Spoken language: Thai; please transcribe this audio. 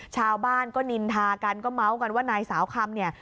ชาวบ้านก็นินทากันก็เมาส์กันว่านายสาวคำเนี่ย